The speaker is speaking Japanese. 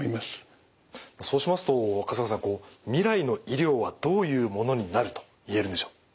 そうしますと春日さん未来の医療はどういうものになると言えるんでしょう？